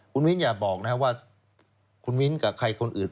คุณมิ้นอย่าบอกว่าคุณมิ้นกับใครคนอื่น